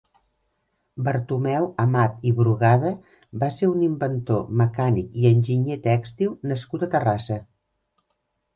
Bartomeu Amat i Brugada va ser un inventor, mecànic i enginyer tèxtil nascut a Terrassa.